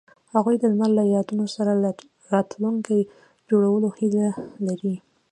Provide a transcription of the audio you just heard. هغوی د لمر له یادونو سره راتلونکی جوړولو هیله لرله.